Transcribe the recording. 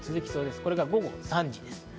これが午後３時です。